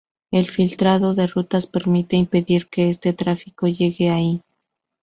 El filtrado de rutas permite impedir que este tráfico llegue ahí.